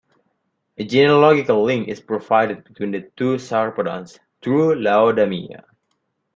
A genealogical link is provided between the two Sarpedons, through Laodamia.